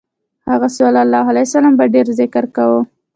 هغه ﷺ به ډېر ذکر کاوه.